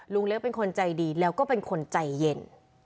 เล็กเป็นคนใจดีแล้วก็เป็นคนใจเย็น